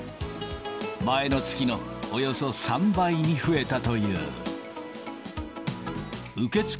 前の月のおよそ３倍に増えたという。